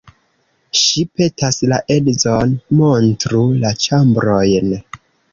Ŝi petas la edzon, montru la ĉambrojn.